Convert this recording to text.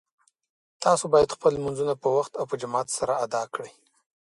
تاسو باید خپل لمونځونه په وخت او په جماعت سره ادا کړئ